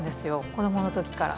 子どものときから。